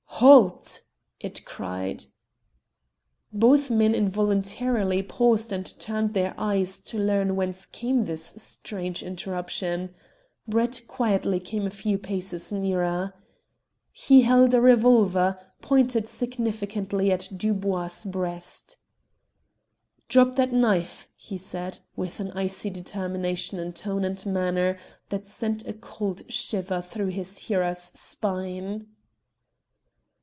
"Halt!" it cried. Both men involuntarily paused and turned their eyes to learn whence came this strange interruption. Brett quietly came a few paces nearer. He held a revolver, pointed significantly at Dubois' breast. "Drop that knife," he said, with an icy determination in tone and manner that sent a cold shiver through his hearer's spine.